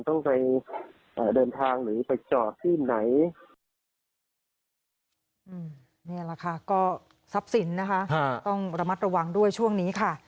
ต้องไปเดินทางหรือไปจอดที่ไหน